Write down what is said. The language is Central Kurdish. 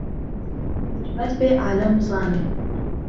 گرمەت بێ عاڵەم بزانێ